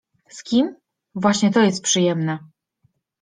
Z kim? Właśnie to jest przyjemne.